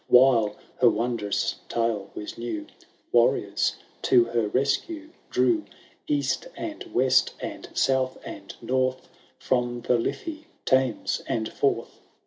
While her wondrous tale was new, Warriors to her rescue drew. East and west, and south and north. From the Liffy, Thames, and Forth.